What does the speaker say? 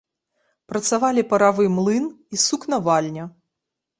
Працавалі паравы млын і сукнавальня.